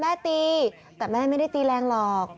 ตีแต่แม่ไม่ได้ตีแรงหรอก